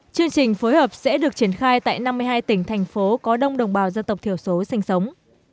chương trình phối hợp sẽ được triển khai tại năm mươi hai tỉnh thành phố có đông đồng bào dân tộc thiểu số sinh sống